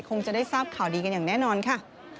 คงจะได้ทราบข่าวดีกันอย่างแน่นอนค่ะ